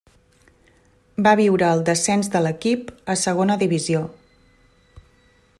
Va viure el descens de l'equip a Segona Divisió.